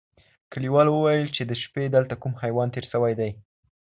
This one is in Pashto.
کلیوالو وویل چي د شپې دلته کوم حیوان تېر سوی دی.